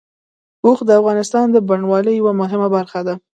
اوښ د افغانستان د بڼوالۍ یوه مهمه برخه ده.